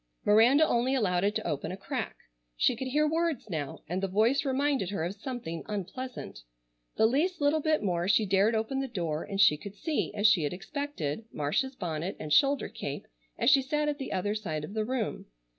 Miranda only allowed it to open a crack. She could hear words now, and the voice reminded her of something unpleasant. The least little bit more she dared open the door, and she could see, as she had expected, Marcia's bonnet and shoulder cape as she sat at the other side of the room.